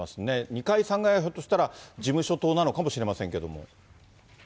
２階、３階がひょっとしたら事務所棟なのかもしれませんけども。